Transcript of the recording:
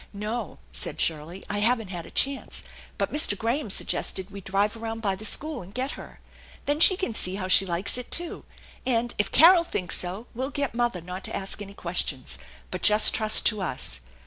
"No," said Shirley, "I haven't had a chance; but Mr. Graham suggested we drive around by the school and get her. Then she can see how she likes it, too ; and, if Carol thinks so, we'll get mother not to ask any questions, but just trust tons."